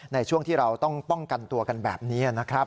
ในช่วงที่เราต้องป้องกันตัวกันแบบนี้นะครับ